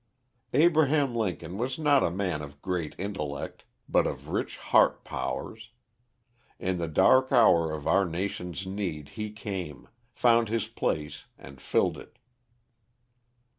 Abraham Lincoln was not a man of great intellect, but of rich heart powers. In the dark hour of our nation's need he came, found his place and filled it.